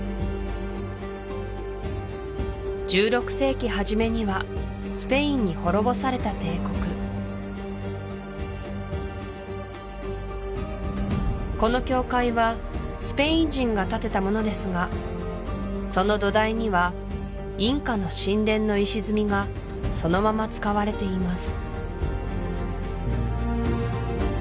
１６世紀初めにはスペインに滅ぼされた帝国この教会はスペイン人が建てたものですがその土台にはインカの神殿の石積みがそのまま使われています